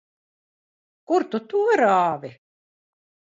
Kur tu to rāvi?